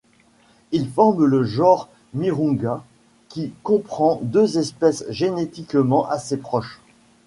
Ils forment le genre Mirounga qui comprend deux espèces génétiquement assez proches.